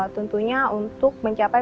tentunya untuk mencapai